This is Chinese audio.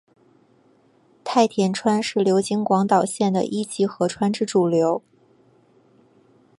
太田川是流经广岛县的一级河川之主流。